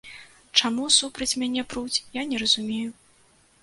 Чаму супраць мяне пруць, я не разумею.